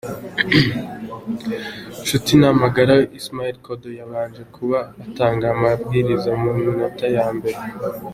Nshutinamagara Ismail Kodo yabanje kuba atanga amabwiriza mu minota ya mbere.